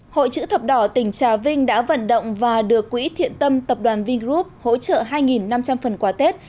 hội chữ thập đỏ tỉnh trà vinh đã vận động và được quỹ thiện tâm tập đoàn vingroup hỗ trợ hai năm trăm linh phần quà tết